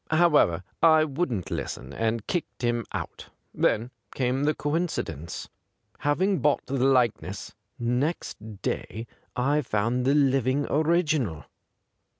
However, I wouldn't listen, and kicked him out. Then came the coincidence. Having bought the likeness, next day I found the living original.